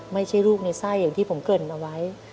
ไม่ใช่ลูกในไส้อย่างที่ผมเกริ่นเอาไว้